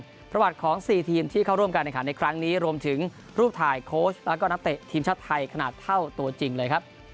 ประวัติของ๔ทีมที่เข้าร่วมการแข่งขันในครั้งนี้รวมถึงรูปถ่ายโค้ชแล้วก็นักเตะทีมชาติไทยขนาดเท่าตัวจริงเลยครับ